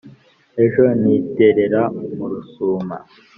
ejo ntiterera mu rusuma